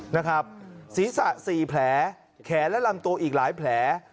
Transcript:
นะครับศีรษะ๔แผลแขนและลำตัวอีกหลายแผล